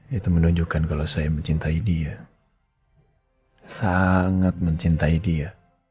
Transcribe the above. itu menunjukkan kalau saya mencintai dia sangat mencintai dia